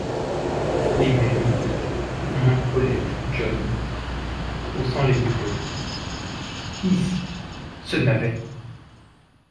Les Mêmes, moins Paulette John, haussant les épaules. — Isse !… ce navet !…